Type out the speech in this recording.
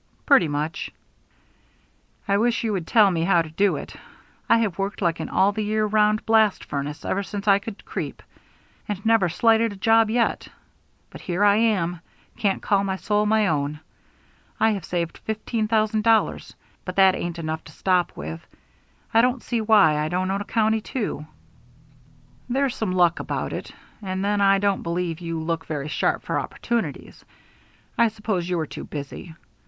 "Pretty much." "I wish you would tell me how to do it. I have worked like an all the year round blast furnace ever since I could creep, and never slighted a job yet, but here I am can't call my soul my own. I have saved fifteen thousand dollars, but that ain't enough to stop with. I don't see why I don't own a county too." "There's some luck about it. And then I don't believe you look very sharp for opportunities. I suppose you are too busy.